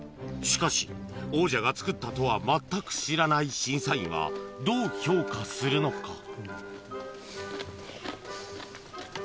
しかし王者が作ったとは全く知らない審査員はどう評価するのか？